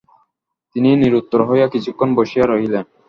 তিনি নিরুত্তর হইয়া কিছুক্ষণ বসিয়া রহিলেন।